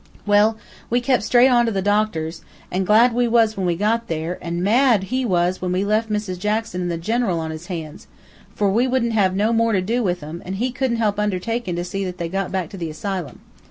"Well, we kep' straight on to the doctor's, an' glad we was when we got there, an' mad he was when we lef' Mrs. Jackson an' the General on his hands, for we wouldn't have no more to do with 'em, an' he couldn't help undertaking' to see that they got back to the asylum.